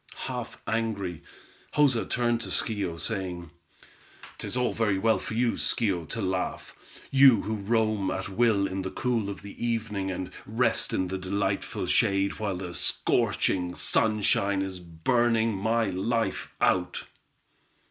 Half angry, Joza turned to Schio, saying: "'Tis all very well for you, Schio, to laugh; you who roam at will in the cool of the evening, and rest in the delightful shade, while the scorching sunshine is burning my life out."